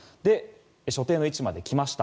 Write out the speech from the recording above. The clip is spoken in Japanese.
所定の位置まで来ました。